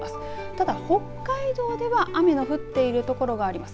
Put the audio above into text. ただ北海道では雨の降っている所があります。